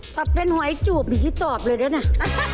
ต่อเป็นหอยจูบมีที่ตอบเลยแล้วนะ